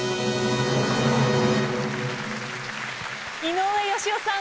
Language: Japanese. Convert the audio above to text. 井上芳雄さん